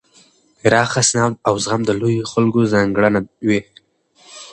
پراخه سینه او زغم د لویو خلکو ځانګړنه وي.